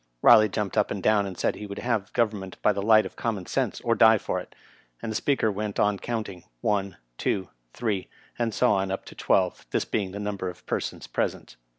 miey jumped up and down, and said he would have government by the light of common sense or die for it, and the Speaker went on counting, one, two, three, and so on up to twelve, this being the number of persons present.